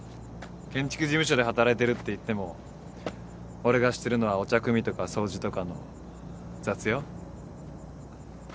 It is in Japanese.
建築事務所で働いてるって言っても俺がしてるのはお茶くみとか掃除とかの雑用。